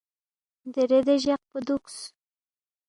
دیرے دے جقپو دُوکس،